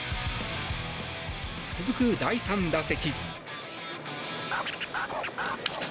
続く第３打席。